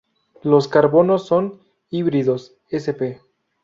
Los carbonos son híbridos sp.